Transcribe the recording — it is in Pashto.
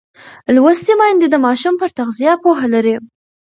لوستې میندې د ماشوم پر تغذیه پوهه لري.